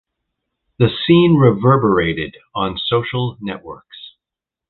The scene reverberated on social networks.